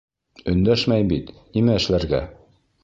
Өндәшмәй бит, нимә эшләргә?